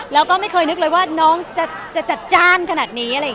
แล้วก็ไม่เคยนึกเลยว่าน้องจะจัดจ้านขนาดนี้